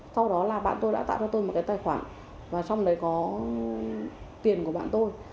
sau đó là bạn tôi đã tạo cho tôi một cái tài khoản và trong đấy có tiền của bạn tôi